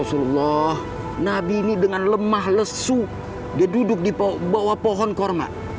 kormat ya rasulullah seandainya engkau izinkan ya rasulullah akan aku angkat ini kedua gunung akan aku kebalikkan yang orang akan aku angkat ke active misung